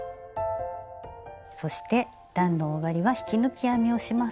そして段の終わりは引き抜き編みをします。